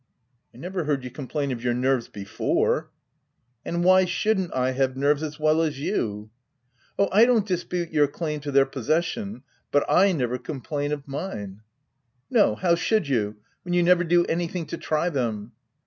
" I never heard you complain of your nerves before." " And why shouldn't I have nerves as well as you ?" OF WILDFELL HALL. 183 "Oh, I don't dispute your claim to their possession, but / never complain of mine." " No — how should you, when you never do anything to try them